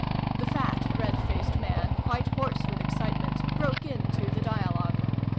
" The fat red faced man, quite hoarse with excitement, broke into the dialogue.